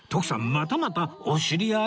またまたお知り合い！？